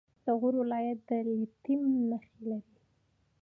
د غور ولایت د لیتیم نښې لري.